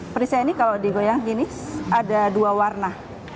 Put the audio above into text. perisnya ini kalau digoyang gini ada dua warna